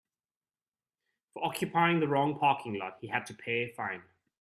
For occupying the wrong parking lot he had to pay a fine.